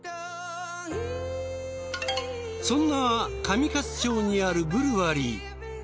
そんな上勝町にあるブルワリー。